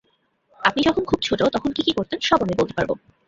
আপনি যখন খুব ছোট, তখন কী কী করতেন সব আমি বলতে পারব।